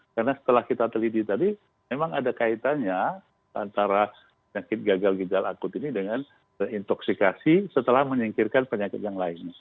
karena setelah kita teliti tadi memang ada kaitannya antara sakit gagal gizal akut ini dengan reintoksikasi setelah menyingkirkan penyakit yang lain